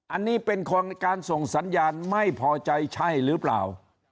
อันนี้เป็นการส่งสัญญาณไม่พอใจใช่หรือเปล่า